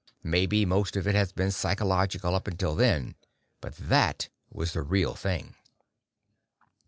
Maybe most of it had been psychological up until then. But that was the real thing.